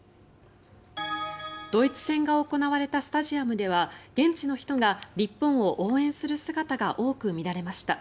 ドイツ戦が行われたスタジアムでは現地の人が日本を応援する姿が多く見られました。